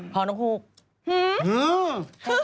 พอนกฮูก